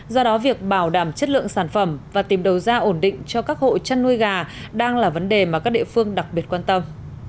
do đó việc bảo đảm chất lượng sản phẩm và tìm đầu ra ổn định cho các hộ chăn nuôi gà đang là vấn đề mà các địa phương đặc biệt quan tâm